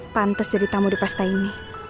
pantas jadi tamu di pesta ini